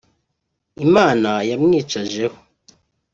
Imana yamwicajeho